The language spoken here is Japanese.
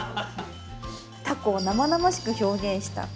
タコを生々しく表現した感じです。